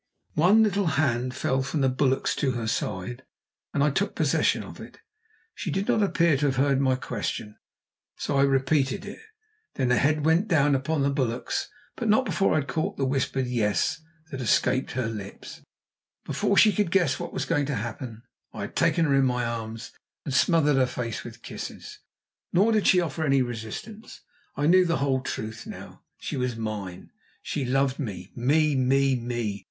One little hand fell from the bulwarks to her side, and I took possession of it. She did not appear to have heard my question, so I repeated it. Then her head went down upon the bulwarks, but not before I had caught the whispered "yes" that escaped her lips. Before she could guess what was going to happen, I had taken her in my arms and smothered her face with kisses. Nor did she offer any resistance. I knew the whole truth now. She was mine, she loved me me me me!